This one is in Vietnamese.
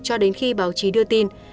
cho đến khi báo chí đưa tin